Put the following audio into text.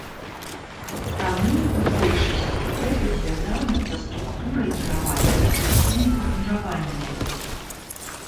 Таму, у большасці гэта звязана са структурай кіравання такімі фарміраваннямі.